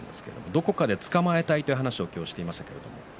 どこかでつかまえたいと話していました。